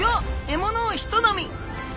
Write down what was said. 獲物をひと飲み。